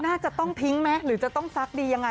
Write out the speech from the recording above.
น่าจะต้องทิ้งไหมหรือจะต้องซักดียังไง